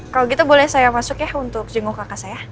kalo gitu boleh saya masuk ya untuk jenguk jenguknya